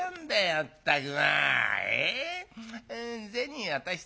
まったく。